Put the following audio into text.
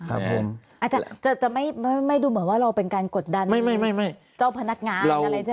อาจจะไม่ดูเหมือนว่าเราเป็นการกดดันเจ้าพนักงานอะไรใช่ไหม